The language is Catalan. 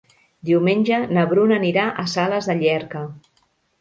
Diumenge na Bruna anirà a Sales de Llierca.